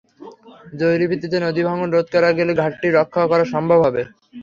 জরুরি ভিত্তিতে নদীভাঙন রোধ করা গেলে ঘাটটি রক্ষা করা সম্ভব হবে।